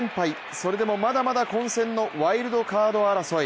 それでもまだまだ混戦のワイルドカード争い。